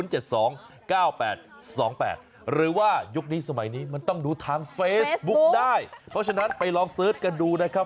หรือว่ายุคนี้สมัยนี้มันต้องดูทางเฟซบุ๊กได้เพราะฉะนั้นไปลองเสิร์ชกันดูนะครับ